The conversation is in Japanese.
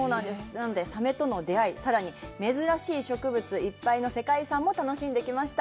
なので、サメとの出会い、さらに珍しい植物いっぱいの世界遺産も楽しんできました。